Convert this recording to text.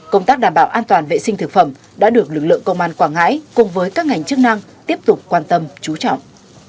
công tác đảm bảo an toàn vệ sinh thực phẩm đã được lực lượng công an quảng ngãi cùng với các ngành chức năng tiếp tục quan tâm chú trọng